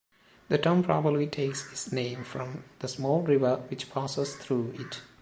The town probably takes its name from the small river which passes through it.